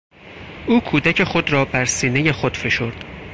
او کودک خود را بر سینهی خود فشرد.